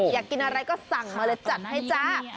อยากกินอะไรก็สั่งมาเลยจัดให้จ้า